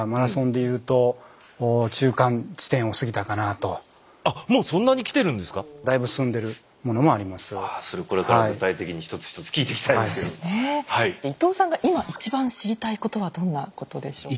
いとうさんが今一番知りたいことはどんなことでしょうか？